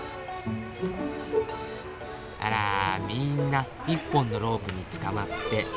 あらみんな１本のロープにつかまって。